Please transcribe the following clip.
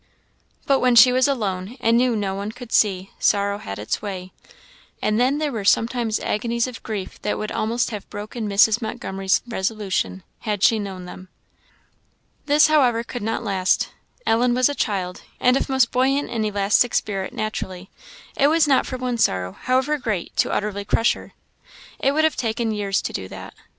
But when she was alone, and knew no one could see, sorrow had its way; and then there were sometimes agonies of grief that would almost have broken Mrs. Montgomery's resolution, had she known them. This, however, could not last. Ellen was a child, and of most buoyant and elastic spirit naturally; it was not for one sorrow, however great, to utterly crush her. It would have taken years to do that.